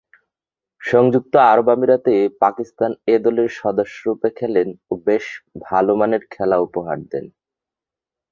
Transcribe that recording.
সংযুক্ত আরব আমিরাতে পাকিস্তান এ দলের সদস্যরূপে খেলেন ও বেশ ভালোমানের খেলা উপহার দেন।